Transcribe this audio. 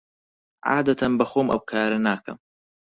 عادەتەن بەخۆم ئەو کارە ناکەم.